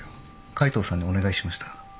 海藤さんにお願いしました。